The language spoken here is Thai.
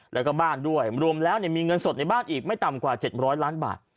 แล้วก็บ้านด้วยรวมแล้วมีเงินสดในบ้านอีกไม่ต่ำกว่า๗๐๐ล้านบาท